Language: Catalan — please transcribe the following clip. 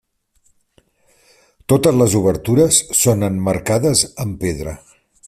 Totes les obertures són emmarcades amb pedra.